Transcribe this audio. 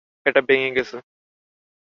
এটা ভেঙ্গে গেছে।